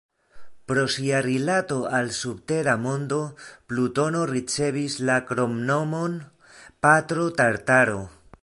Pro sia rilato al subtera mondo, Plutono ricevis la kromnomon "Patro Tartaro".